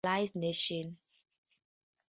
and totally unworthy the Head of a civilized nation.